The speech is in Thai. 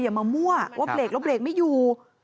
อย่ามามั่วว่าเบรกแล้วเบรกไม่อยู่